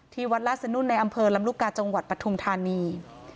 วัดลาสนุ่นในอำเภอลำลูกกาจังหวัดปทุมธานี